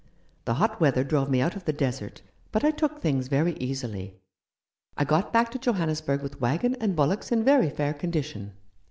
The hot weather drove me out of the desert, but I took things very easily. I got back to Johannesburg with waggon and bullocks in very fair condition.